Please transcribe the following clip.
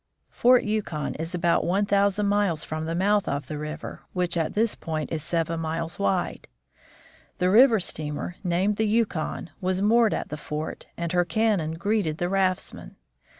Fort Yukon is about one thousand miles from the mouth of the river, which at this point is seven miles wide. The river steamer, named the Yukon, was moored at the fort, and her cannon greeted the raftsmen.